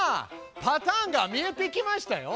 パターンが見えてきましたよ。